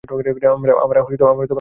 আমার আঞ্জলি খুব সুন্দর।